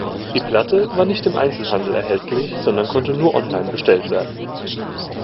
Die Platte war nicht im Einzelhandel erhältlich, sondern konnte nur online bestellt werden.